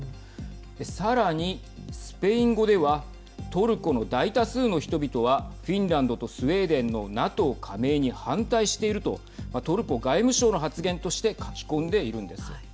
さらにスペイン語ではトルコの大多数の人々はフィンランドとスウェーデンのＮＡＴＯ加盟に反対しているとトルコ外務省の発言として書き込んでいるんです。